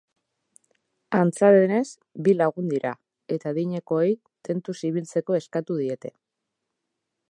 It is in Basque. Antza denez, bi lagun dira eta adinekoei tentuz ibiltzeko eskatu diete.